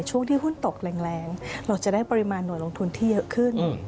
ช่วงที่หุ้นตกแรงเราจะได้ปริมาณหน่วยลงทุนที่เยอะขึ้น